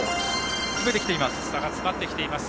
詰めてきています。